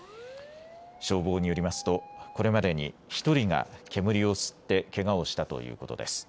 消防によりますとこれまでに１人が煙を吸ってけがをしたということです。